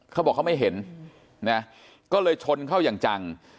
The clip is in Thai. เขาบอกเขาไม่เห็นนะก็เลยชนเข้าอย่างจัง